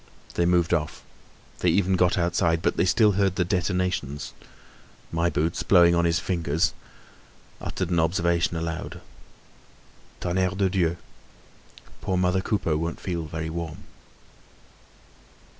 They moved off, they even got outside, but they still heard the detonations. My Boots, blowing on his fingers, uttered an observation aloud. "Tonnerre de Dieu! poor mother Coupeau won't feel very warm!"